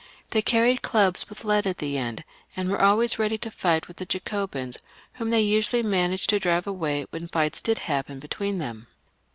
They carried clubs with lead at the end, and were always ready to fight with the Jacobins^ whom they usually managed to drive away when fights, did happen between them.